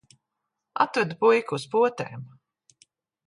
Atvedu puiku uz potēm.